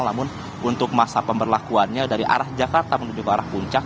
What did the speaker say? namun untuk masa pemberlakuannya dari arah jakarta menuju ke arah puncak